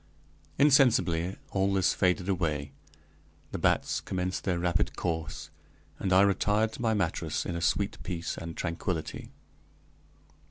Insensibly all this faded away, the bats commenced their rapid course, and I retired to my mattress in sweet peace and tranquillity.